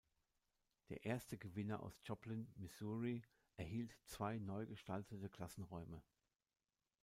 Der erste Gewinner aus Joplin, Missouri erhielt zwei neugestaltete Klassenräume.